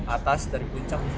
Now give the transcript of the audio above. atas dari puncak